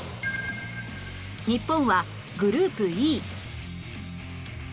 日本はグループ Ｅ